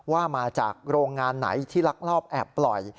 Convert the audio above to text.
ว่ามาจากโรงงานไหนที่ลักลอบแอบปล่อย